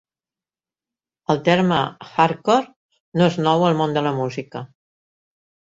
El terme hardcore no és nou al món de la música.